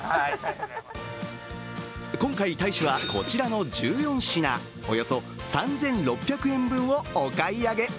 今回、大使はこちらの１４品、およそ３６００円分をお買い上げ。